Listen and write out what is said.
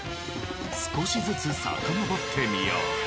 少しずつさかのぼってみよう。